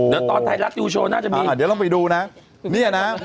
เดี๋ยวตอนไทยรัสดูโชว์น่าจะมีอ่าเดี๋ยวเราไปดูน่ะเนี่ยน่ะ